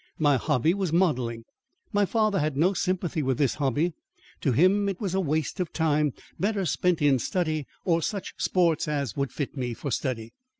My hobby was modelling. My father had no sympathy with this hobby. To him it was a waste of time better spent in study or such sports as would fit me for study.